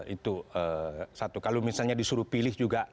itu satu kalau misalnya disuruh pilih juga